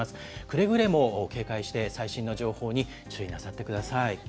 くれぐれも警戒して最新の情報に注意なさってください。